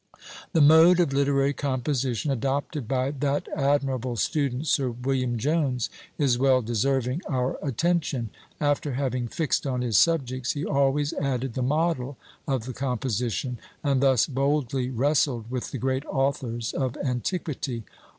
The mode of literary composition adopted by that admirable student Sir William Jones, is well deserving our attention. After having fixed on his subjects, he always added the model of the composition; and thus boldly wrestled with the great authors of antiquity.